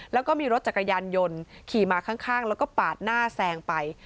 แล้วก็มีรถจักรยานยนต์ขี่มาข้างแล้วก็ปาดหน้าแซงไป